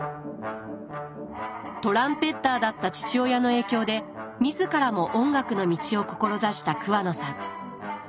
トランペッターだった父親の影響で自らも音楽の道を志した桑野さん。